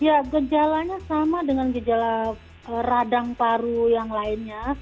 ya gejalanya sama dengan gejala radang paru yang lainnya